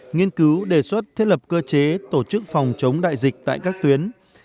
nghiên cứu đề xuất thiết lập cơ chế tổ chức phòng chống đại dịch tại các tuyến